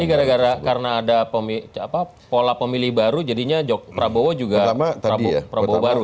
ini gara gara karena ada pola pemilih baru jadinya prabowo juga prabowo baru